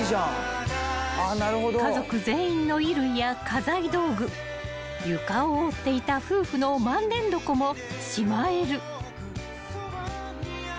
［家族全員の衣類や家財道具床を覆っていた夫婦の万年床もしまえる］